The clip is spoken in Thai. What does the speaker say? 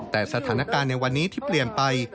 แต่สถานการณ์ในวันนี้ที่เปลี่ยนไป